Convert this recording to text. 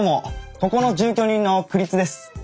ここの住居人の栗津です。